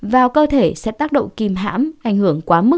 vào cơ thể sẽ tác động kim hãm ảnh hưởng